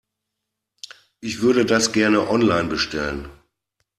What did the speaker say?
Ich würde das gerne online bestellen.